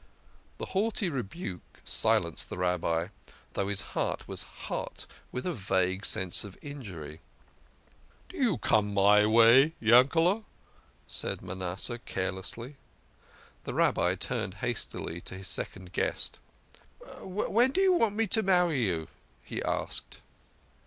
The haughty rebuke silenced the Rabbi, though his heart was hot with a vague sense of injury. " Do you come my way, Yankele" ?" said Manasseh care lessly. The Rabbi turned hastily to his second guest. " When do you want me to marry you ?" he asked.